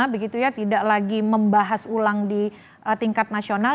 begitu ya tidak lagi membahas ulang di tingkat nasional